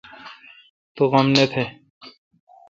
تو غم نہ تھ۔